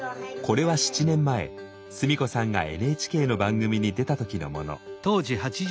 これは７年前須美子さんがＮＨＫの番組に出た時のもの。